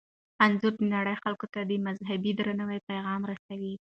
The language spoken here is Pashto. انځور د نړۍ خلکو ته د مذهبي درناوي پیغام رسوي.